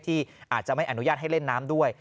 ที่อาจจะไม่อนุญาตให้เล่นน้ำด้วย